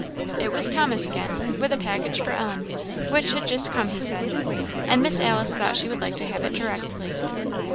It was Thomas again, with a package for Ellen, which had just come, he said, and Miss Alice thought she would like to have it directly.